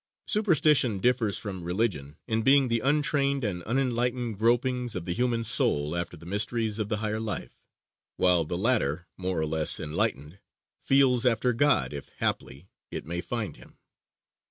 Superstition differs from religion in being the untrained and unenlightened gropings of the human soul after the mysteries of the higher life; while the latter, more or less enlightened, "feels after God, if haply," it may find Him.